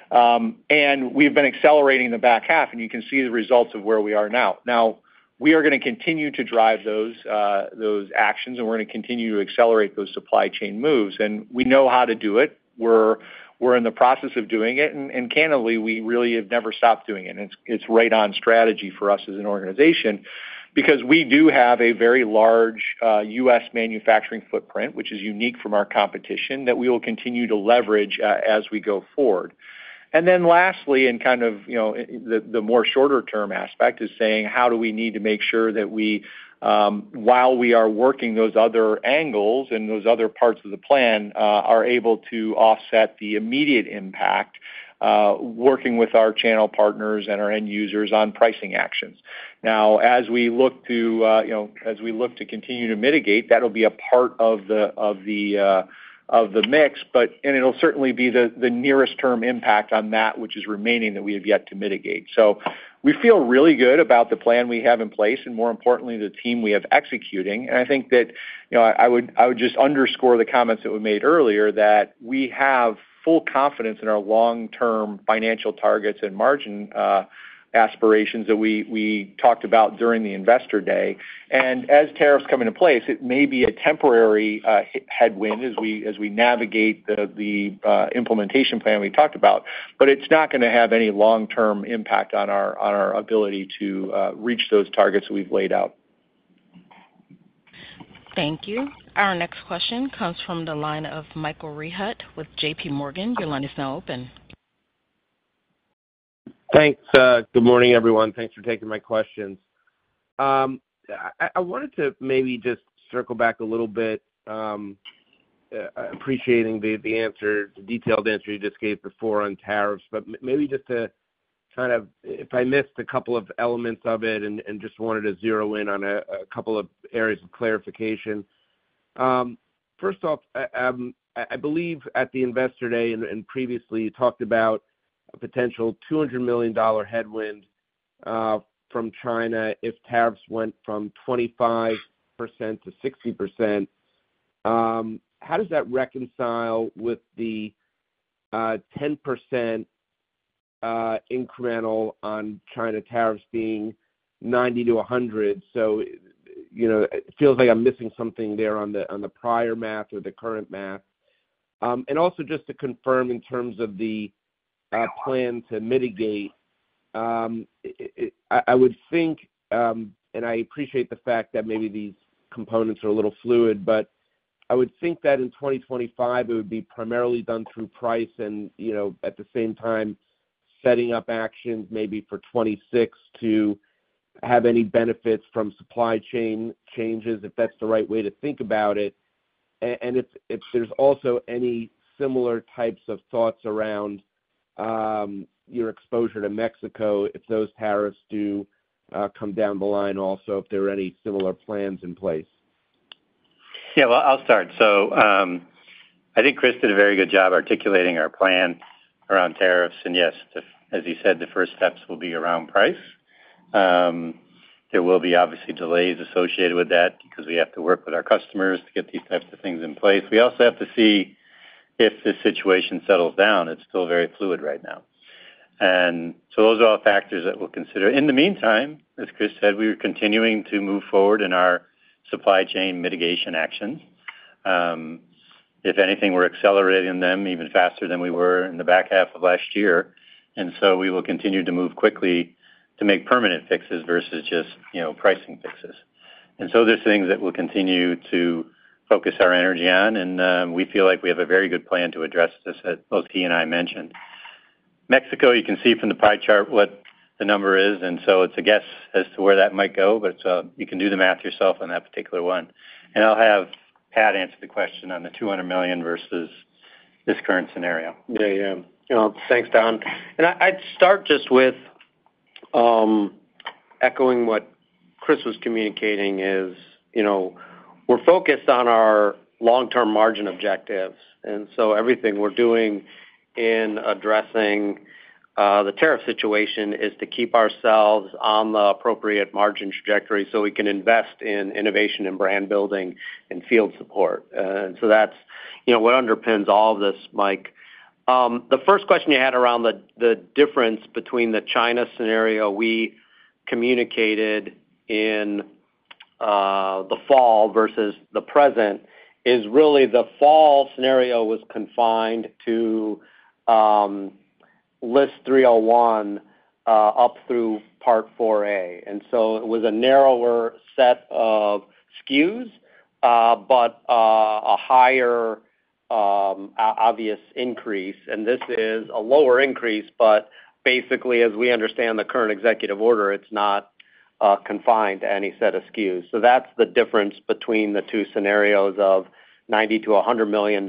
And we've been accelerating the back half, and you can see the results of where we are now. Now, we are going to continue to drive those actions, and we're going to continue to accelerate those supply chain moves. And we know how to do it. We're in the process of doing it. And candidly, we really have never stopped doing it. And it's right on strategy for us as an organization because we do have a very large U.S. manufacturing footprint, which is unique from our competition, that we will continue to leverage as we go forward. And then lastly, and kind of the more shorter-term aspect is saying, how do we need to make sure that we, while we are working those other angles and those other parts of the plan, are able to offset the immediate impact working with our channel partners and our end users on pricing actions? Now, as we look to continue to mitigate, that'll be a part of the mix, but it'll certainly be the nearest-term impact on that, which is remaining that we have yet to mitigate. So we feel really good about the plan we have in place and, more importantly, the team we have executing. And I think that I would just underscore the comments that were made earlier that we have full confidence in our long-term financial targets and margin aspirations that we talked about during the Investor Day. And as tariffs come into place, it may be a temporary headwind as we navigate the implementation plan we talked about, but it's not going to have any long-term impact on our ability to reach those targets that we've laid out. Thank you. Our next question comes from the line of Michael Rehaut with J.P. Morgan. Your line is now open. Thanks. Good morning, everyone. Thanks for taking my questions. I wanted to maybe just circle back a little bit, appreciating the detailed answer you just gave before on tariffs, but maybe just to kind of, if I missed a couple of elements of it and just wanted to zero in on a couple of areas of clarification. First off, I believe at the Investor Day and previously talked about a potential $200 million headwind from China if tariffs went from 25%-60%. How does that reconcile with the 10% incremental on China tariffs being $90-$100? So it feels like I'm missing something there on the prior math or the current math. And also just to confirm in terms of the plan to mitigate, I would think, and I appreciate the fact that maybe these components are a little fluid, but I would think that in 2025, it would be primarily done through price and at the same time setting up actions maybe for 2026 to have any benefits from supply chain changes, if that's the right way to think about it. And if there's also any similar types of thoughts around your exposure to Mexico, if those tariffs do come down the line, also if there are any similar plans in place. Yeah. Well, I'll start. So I think Chris did a very good job articulating our plan around tariffs. And yes, as you said, the first steps will be around price. There will be obviously delays associated with that because we have to work with our customers to get these types of things in place. We also have to see if the situation settles down. It's still very fluid right now, and so those are all factors that we'll consider. In the meantime, as Chris said, we are continuing to move forward in our supply chain mitigation actions. If anything, we're accelerating them even faster than we were in the back half of last year, and so we will continue to move quickly to make permanent fixes versus just pricing fixes, and so there's things that we'll continue to focus our energy on, and we feel like we have a very good plan to address this that both Key and I mentioned. Mexico, you can see from the pie chart what the number is. It's a guess as to where that might go, but you can do the math yourself on that particular one. I'll have Pat answer the question on the $200 million versus this current scenario. Yeah. Yeah. Thanks, Don. I'd start just with echoing what Chris was communicating is we're focused on our long-term margin objectives. Everything we're doing in addressing the tariff situation is to keep ourselves on the appropriate margin trajectory so we can invest in innovation and brand building and field support. That's what underpins all of this, Mike. The first question you had around the difference between the China scenario we communicated in the fall versus the present is really the fall scenario was confined to List 301 up through Part 4A. It was a narrower set of SKUs, but a higher obvious increase. This is a lower increase, but basically, as we understand the current executive order, it's not confined to any set of SKUs. So that's the difference between the two scenarios of $90-$100 million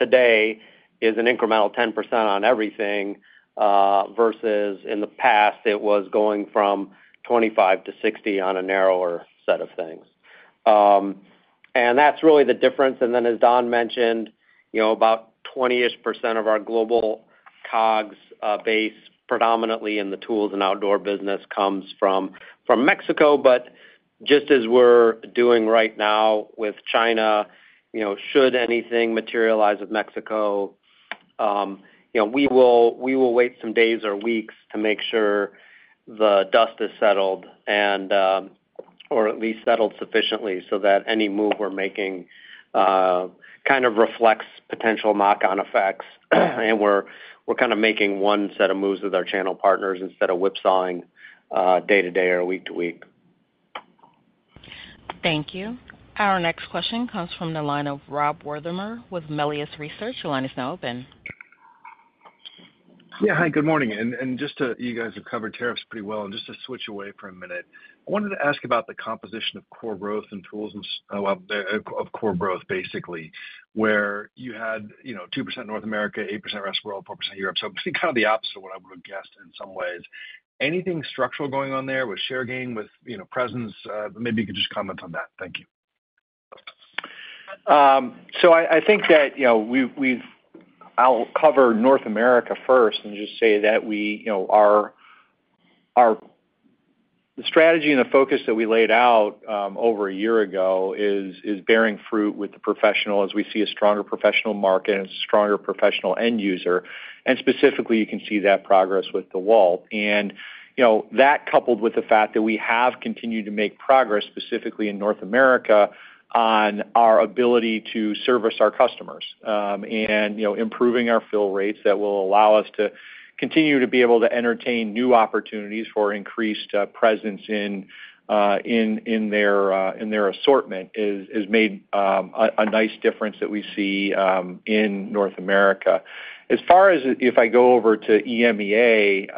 today is an incremental 10% on everything versus in the past, it was going from 25%-60% on a narrower set of things. That's really the difference. Then, as Don mentioned, about 20-ish% of our global COGS base, predominantly in the tools and outdoor business, comes from Mexico. Just as we're doing right now with China, should anything materialize with Mexico, we will wait some days or weeks to make sure the dust is settled or at least settled sufficiently so that any move we're making kind of reflects potential knock-on effects. And we're kind of making one set of moves with our channel partners instead of whipsawing day-to-day or week-to-week. Thank you. Our next question comes from the line of Rob Wertheimer with Melius Research. Your line is now open. Yeah. Hi. Good morning. And just, you guys have covered tariffs pretty well. And just to switch away for a minute, I wanted to ask about the composition of organic growth in Tools & Outdoor, the organic growth, basically, where you had 2% North America, 8% rest of world, 4% Europe. So kind of the opposite of what I would have guessed in some ways. Anything structural going on there with share gain, with presence? Maybe you could just comment on that. Thank you. So I think that I'll cover North America first and just say that the strategy and the focus that we laid out over a year ago is bearing fruit with the professional as we see a stronger professional market and a stronger professional end user. And specifically, you can see that progress with the DEWALT. And that coupled with the fact that we have continued to make progress specifically in North America on our ability to service our customers and improving our fill rates that will allow us to continue to be able to entertain new opportunities for increased presence in their assortment has made a nice difference that we see in North America. As far as if I go over to EMEA,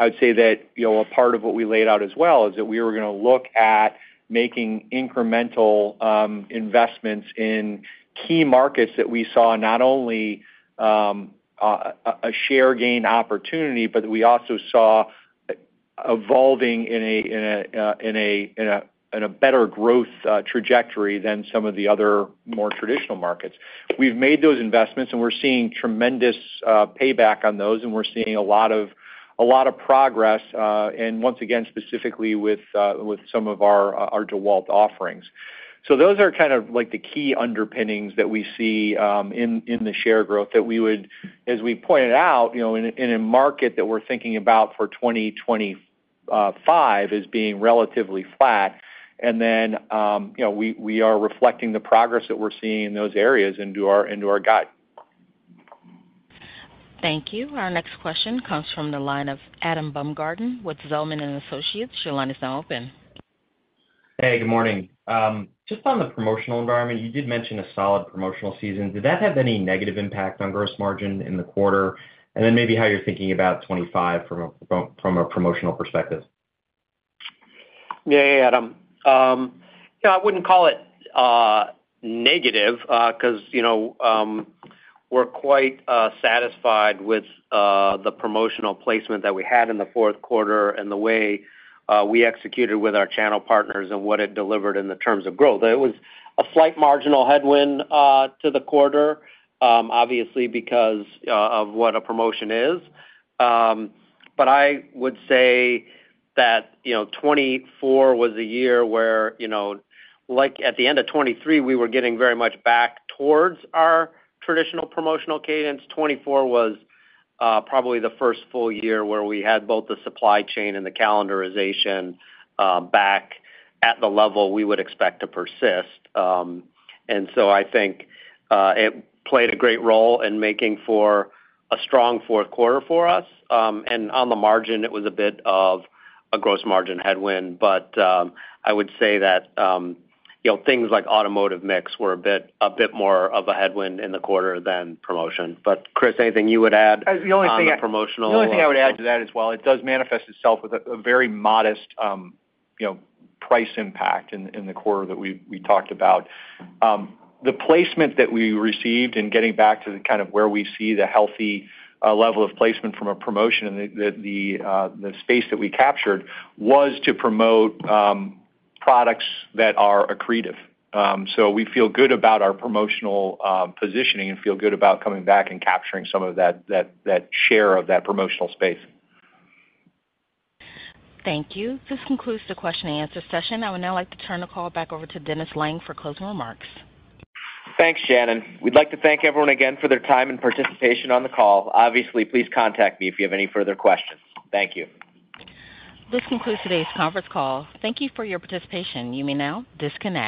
I would say that a part of what we laid out as well is that we were going to look at making incremental investments in key markets that we saw not only a share gain opportunity, but we also saw evolving in a better growth trajectory than some of the other more traditional markets. We've made those investments, and we're seeing tremendous payback on those, and we're seeing a lot of progress, and once again, specifically with some of our DEWALT offerings. So those are kind of the key underpinnings that we see in the share growth that we would, as we pointed out, in a market that we're thinking about for 2025 as being relatively flat, and then we are reflecting the progress that we're seeing in those areas into our guide. Thank you. Our next question comes from the line of Adam Baumgarten with Zelman & Associates. Your line is now open. Hey. Good morning. Just on the promotional environment, you did mention a solid promotional season. Did that have any negative impact on gross margin in the quarter? And then maybe how you're thinking about '25 from a promotional perspective. Yeah. Yeah, Adam. Yeah. I wouldn't call it negative because we're quite satisfied with the promotional placement that we had in the fourth quarter and the way we executed with our channel partners and what it delivered in the terms of growth. It was a slight marginal headwind to the quarter, obviously, because of what a promotion is. But I would say that '24 was a year where, like at the end of '23, we were getting very much back towards our traditional promotional cadence. 2024 was probably the first full year where we had both the supply chain and the calendarization back at the level we would expect to persist. And so I think it played a great role in making for a strong fourth quarter for us. And on the margin, it was a bit of a gross margin headwind. But I would say that things like automotive mix were a bit more of a headwind in the quarter than promotion. But Chris, anything you would add on the promotional? The only thing I would add to that is, well, it does manifest itself with a very modest price impact in the quarter that we talked about. The placement that we received and getting back to kind of where we see the healthy level of placement from a promotion and the space that we captured was to promote products that are accretive. So we feel good about our promotional positioning and feel good about coming back and capturing some of that share of that promotional space. Thank you. This concludes the question-and-answer session. I would now like to turn the call back over to Dennis Lange for closing remarks. Thanks, Shannon. We'd like to thank everyone again for their time and participation on the call. Obviously, please contact me if you have any further questions. Thank you. This concludes today's conference call. Thank you for your participation. You may now disconnect.